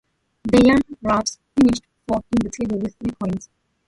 The Young Wasps finished fourth in the table with three points.